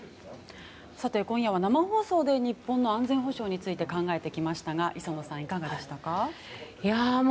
今夜は生放送で日本の安全保障について考えてきましたが磯野さん、いかがでしたか？